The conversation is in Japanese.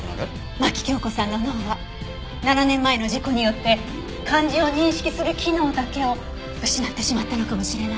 牧京子さんの脳は７年前の事故によって漢字を認識する機能だけを失ってしまったのかもしれない。